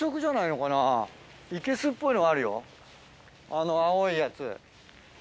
あの青いやつ。